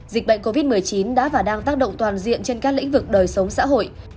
dịch bệnh covid một mươi chín đã và đang tác động toàn diện trên các lĩnh vực đời sống xã hội